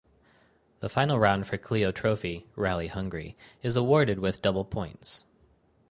The final round for Clio Trophy (Rally Hungary) is awarded with double points.